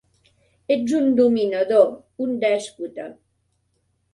Ets un dominador, un dèspota!